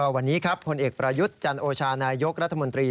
วันนี้ครับผลเอกประยุทธ์จันโอชานายกรัฐมนตรี